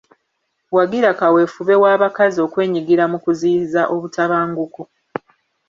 Wagira kaweefube w’abakazi okwenyigira mu kuziyiza obutabanguko.